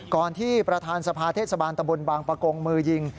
ก่อนที่ประธานสภาเทศบาลตะบนบางประกงมือยิง